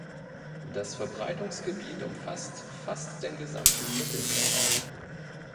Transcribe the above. Das Verbreitungsgebiet umfasst fast den gesamten Mittelmeerraum.